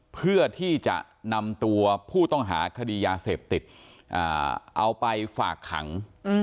เพื่อที่จะนำตัวผู้ต้องหาคดียาเสพติดเอาไปฝากขัง